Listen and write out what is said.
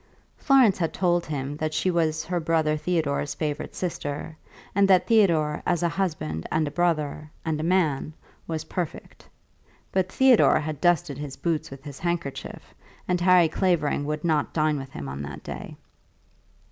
Florence had told him that she was her brother Theodore's favourite sister, and that Theodore as a husband and a brother, and a man, was perfect. But Theodore had dusted his boots with his handkerchief, and Harry Clavering would not dine with him on that day.